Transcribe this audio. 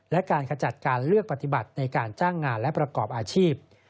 และการขจัดการเลือกปฏิบัติในการจ้างงานและประกอบอาชีพ